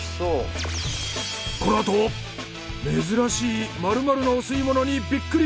このあと珍しい○○のお吸い物にビックリ！